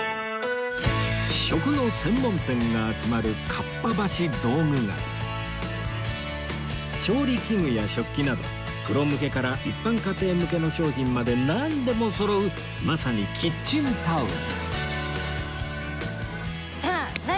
食の専門店が集まる調理器具や食器などプロ向けから一般家庭向けの商品までなんでもそろうまさにキッチンタウン